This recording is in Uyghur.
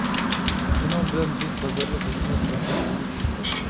شۇنىڭ بىلەن بىز بازارلىق ھۆكۈمەت رەھبەرلىرىنى ئىزدىدۇق.